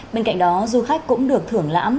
bên cạnh đó du khách cũng được thưởng lãnh